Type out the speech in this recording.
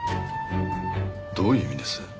どういう意味です？